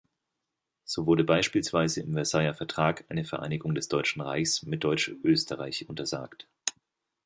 So wurde beispielsweise im Versailler Vertrag eine Vereinigung des Deutschen Reiches mit Deutschösterreich untersagt.